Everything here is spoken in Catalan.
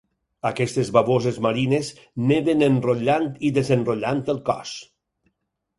Aquestes bavoses marines neden enrotllant i desenrotllant el cos.